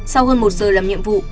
sau hơn một giờ làm nhiệm vụ